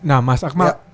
nah mas akmal